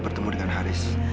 bertemu dengan haris